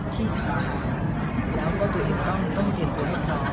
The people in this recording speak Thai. ที่ท้าทานแล้วก็ตัวเองต้องเรียนตัวมากนอก